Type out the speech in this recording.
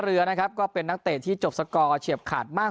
เรือนะครับก็เป็นนักเตะที่จบสกอร์เฉียบขาดมาก